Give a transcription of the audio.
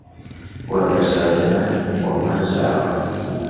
Uragasazana ingoma zawe.